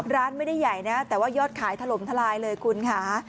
ร้านไม่ได้ใหญ่นะแต่ว่ายอดขายถล่มทลายเลยคุณค่ะ